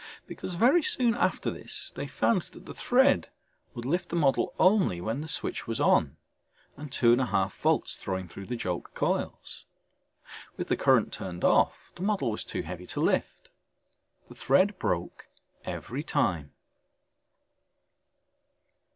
Because very soon after this they found that the thread would lift the model only when the switch was on and two and a half volts flowing through the joke coils. With the current turned off the model was too heavy to lift. The thread broke every time.